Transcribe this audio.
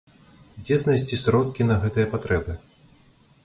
Дзе знайсці сродкі на гэтыя патрэбы?